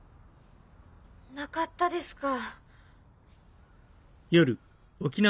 なかったですか。